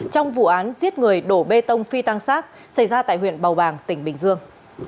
trong vụ án giết người đổ bê tông phi tăng sát xảy ra tại huyện bầu bàng tỉnh bình dương